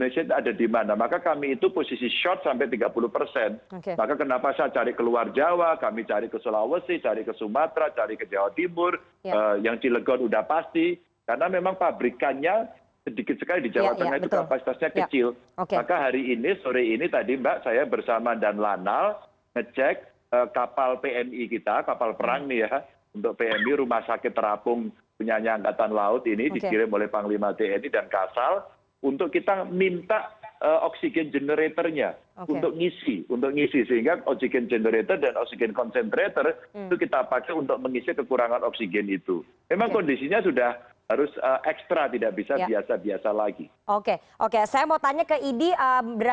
selamat sore mbak rifana